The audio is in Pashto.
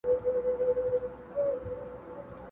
لا رواني دي جوپې د شهيدانو٫